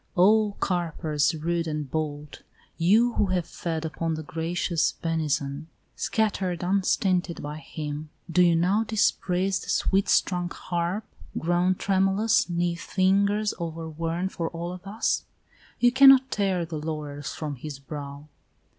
Oh, carpers rude and bold, You who have fed upon the gracious benison Scattered unstinted by him, do you now Dispraise the sweet strung harp, grown tremulous 'Neath fingers overworn for all of us? You cannot tear the laurels from his brow.